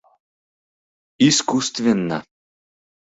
— Искусственно.